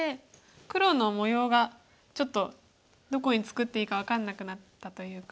黒の模様がちょっとどこに作っていいか分かんなくなったというか。